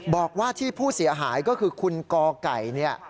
บอกว่าที่ผู้เสียหายก็คือคุณกไก่เนี่ย